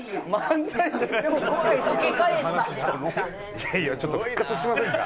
いやいやちょっと復活しませんか？